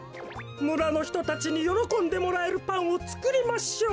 むらのひとたちによろこんでもらえるパンをつくりましょう。